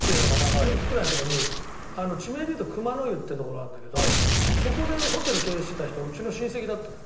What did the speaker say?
中腹くらいのとこに地名で言うと熊の湯っていう所があるんだけどそこでホテルを経営してた人うちの親戚だったのよ。